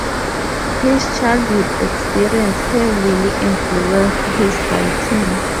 His childhood experience heavily influenced his writing.